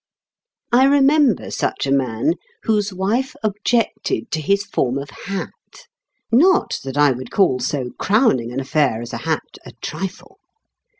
I remember such a man whose wife objected to his form of hat (not that I would call so crowning an affair as a hat a trifle!).